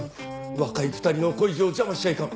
若い２人の恋路を邪魔しちゃいかん。